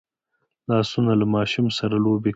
لاسونه له ماشوم سره لوبې کوي